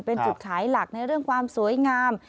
เป็นจุดขายหลักในเรื่องความสวยงาม